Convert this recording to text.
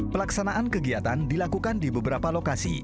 pelaksanaan kegiatan dilakukan di beberapa lokasi